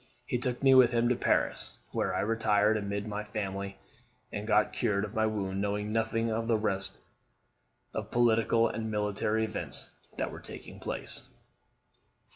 He took me with him to Paris, where I retired amid my family, and got cured of my wound, knowing nothing of the rest of political and military events that were taking place."